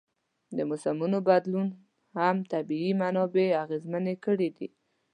د موسمونو بدلون هم طبیعي منابع اغېزمنې کړي دي.